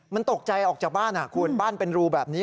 มันตกใจออกจากบ้านคุณบ้านเป็นรูแบบนี้